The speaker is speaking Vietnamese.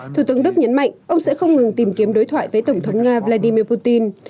thủ tướng đức nhấn mạnh ông sẽ không ngừng tìm kiếm đối thoại với tổng thống nga vladimir putin